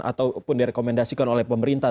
ataupun direkomendasikan oleh pemerintah